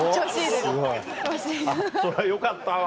それはよかったわ。